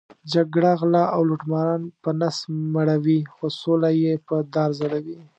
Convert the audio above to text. جګړه غله او لوټماران په نس مړوي، خو سوله یې په دار ځړوي.